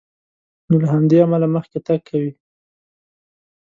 نو له همدې امله مخکې تګ کوي.